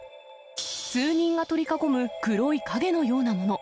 数人が取り囲む黒い影のようなもの。